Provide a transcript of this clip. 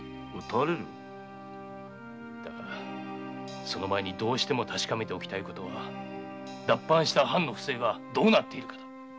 だがその前にどうしても確かめたいことは脱藩した藩の不正がどうなっているかだ。